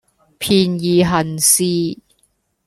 便宜行事